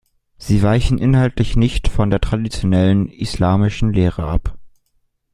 Sie weichen inhaltlich nicht von der traditionellen islamischen Lehre ab.